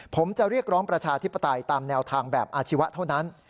ผมจะเรียกร้องประชาธิปไตยตามแนวทางแบบอาชีวะเท่านั้น